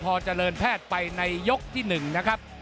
พอเจริญแพทย์ไปในยกที่๑นะครับ